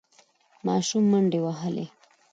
ماشومان منډې وهلې.